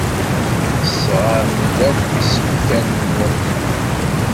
Tesɣam-d akk isefka-nwen?